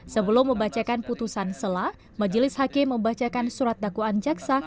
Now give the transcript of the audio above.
sebelum membacakan putusan selah majelis hakim membacakan surat dakwaan jaksa